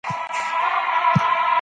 هر یوه ته خپل